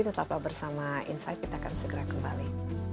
tetaplah bersama insight kita akan segera kembali